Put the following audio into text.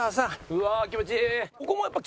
うわ気持ちいい！